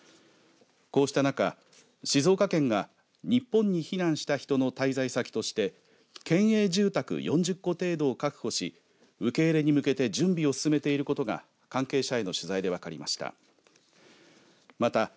こうした中、静岡県が日本に避難した人の滞在先として県営住宅４０戸程度を確保し受け入れに向けて準備を進めていることが関係者への取材で分かりました。